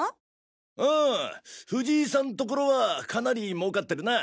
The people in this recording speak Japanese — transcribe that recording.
ああ藤井さんところはかなり儲かってるな。